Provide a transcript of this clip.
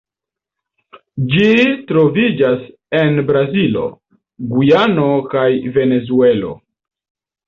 Ĝi troviĝas en Brazilo, Gujano kaj Venezuelo.